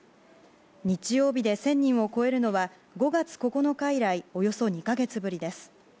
日曜日で１０００人を超えるのは５月９日以来およそ２か月ぶりです。